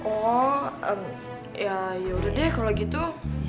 oh ya yaudah deh kalau gitu